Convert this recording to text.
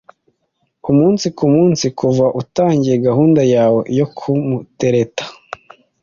umunsi ku munsi kuva utangiye gahunda yawe yo kumutereta.